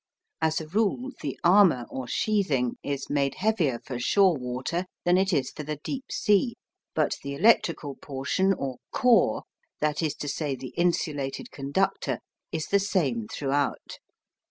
As a rule, the armour or sheathing is made heavier for shore water than it is for the deep sea, but the electrical portion, or "core," that is to say, the insulated conductor, is the same throughout.